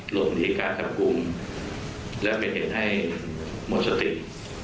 หลบหลีการการความคุมและเป็นเหตุให้หมดสติก